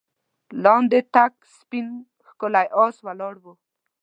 لاندې تک سپين ښکلی آس ولاړ و.